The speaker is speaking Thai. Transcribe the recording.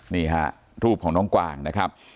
นี่ฮะรูปของน้องกวางนะครับ